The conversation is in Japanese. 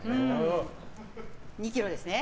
２ｋｇですね。